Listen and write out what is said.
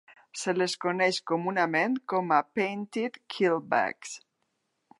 Se les coneix comunament com a "painted keelbacks".